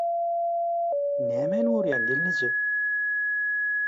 Nämäni görýäň gelneje?